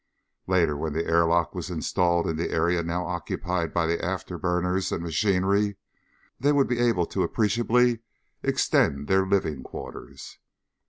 Later, when the airlock was installed in the area now occupied by the afterburners and machinery, they would be able to appreciably extend their living quarters.